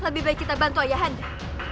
raka lebih baik kita bantu ayah handa